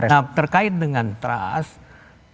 nah terkait dengan trust